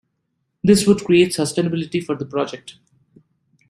This would create sustainability for the project.